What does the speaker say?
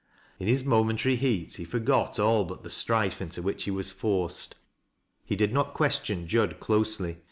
In his mcmentary heat, he forgot all bnt the strife into which he was forced. He did not qnestion Jud closely.